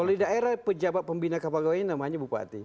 pada era pejabat pembinaan kapal gawainya namanya bupati